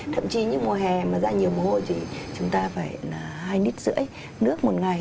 thậm chí những mùa hè mà ra nhiều mùa hôi thì chúng ta phải là hai nít rưỡi nước một ngày